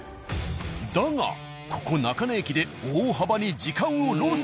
だがここ中根駅で大幅に時間をロス。